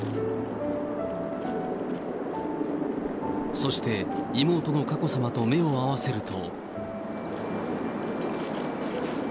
そして、妹の佳子さまと目を合わせると。